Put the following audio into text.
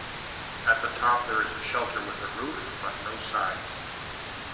At the top there is a shelter with a roof but no sides.